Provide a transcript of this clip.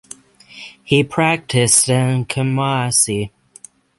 He practised in Kumasi.